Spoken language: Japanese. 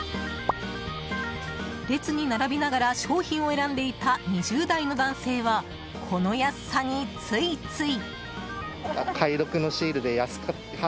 列に並びながら商品を選んでいた２０代の男性はこの安さに、ついつい。